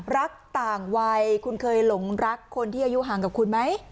รักต่างวัยคุณเคยหลงรักคนที่อายุห่างกับคุณไหม